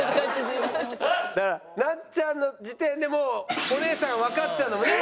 だからなっちゃんの時点でもうお姉さんわかってたんだもんね。